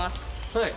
はい。